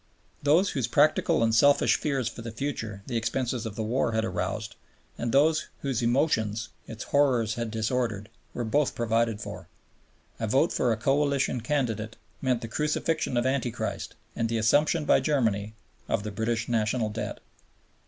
Those whose practical and selfish fears for the future the expenses of the war had aroused, and those whose emotions its horrors had disordered, were both provided for. A vote for a Coalition candidate meant the Crucifixion of Anti Christ and the assumption by Germany of the British National Debt.